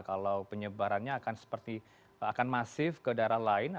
kalau penyebarannya akan seperti akan masif ke daerah lain